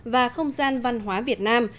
và không gian văn hóa việt nam